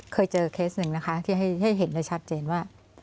เคยเจอเคสหนึ่งนะคะที่ให้เห็นได้ชัดเจนว่า